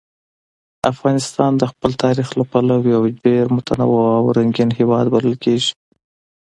افغانستان د خپل تاریخ له پلوه یو ډېر متنوع او رنګین هېواد بلل کېږي.